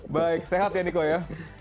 baik sehat ya niko ya